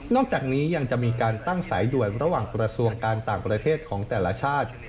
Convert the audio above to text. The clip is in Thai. จากนี้ยังจะมีการตั้งสายด่วนระหว่างกระทรวงการต่างประเทศของแต่ละชาติ